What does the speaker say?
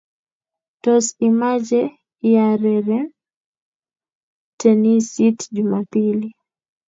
Tos, imache iureren tenisit jumapili